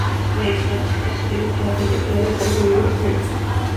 La esvástica está dibujada con pintura de carbón en la cerámica.